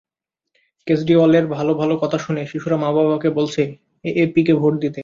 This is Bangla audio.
কেজরিওয়ালের ভালো ভালো কথা শুনে শিশুরা মা-বাবাকে বলছে এএপিকে ভোট দিতে।